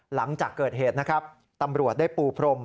หลังจากเกิดเหตุนะครับตำรวจได้ปูพรม